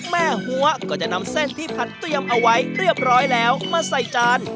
หัวก็จะนำเส้นที่ผัดเตรียมเอาไว้เรียบร้อยแล้วมาใส่จาน